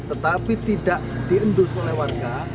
tetapi tidak diendus oleh warga